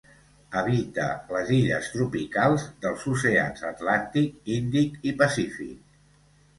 Habita les illes tropicals dels oceans Atlàntic, Índic i Pacífic.